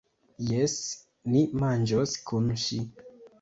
Jes, ni manĝos kun ŜI.